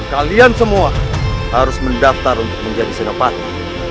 kalian semua harus mendaftar untuk menjadi sinopati